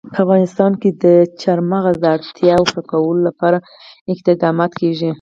په افغانستان کې د چار مغز د اړتیاوو پوره کولو لپاره اقدامات کېږي.